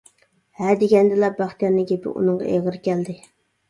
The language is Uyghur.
ھە دېگەندىلا بەختىيارنىڭ گېپى ئۇنىڭغا ئېغىر كەلدى.